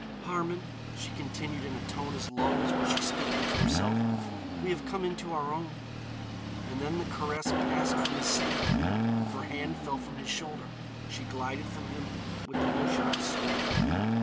"Harmon," she continued in a tone as low as were she speaking to herself, "we have come into our own." And then the caress passed from his sleeve, her hand fell from his shoulder, she glided from him with the motion of a swan.